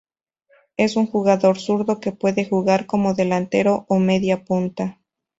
Es un jugador zurdo que puede jugar como delantero o media punta.